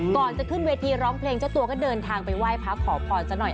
ก่อนจะขึ้นเวทีร้องเพลงเจ้าตัวก็เดินทางไปไหว้พระขอพรซะหน่อย